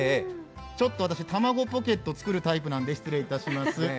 ちょっと私、卵ポケット作るタイプなんで失礼します。